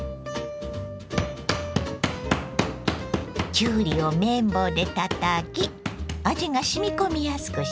きゅうりを麺棒でたたき味がしみこみやすくします。